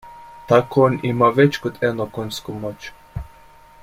Ta konj ima več kot eno konjsko moč.